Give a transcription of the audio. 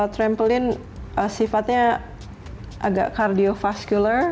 trampoline sifatnya agak cardiovascular